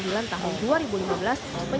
menyatakan penyesuaian berlaku setiap bulan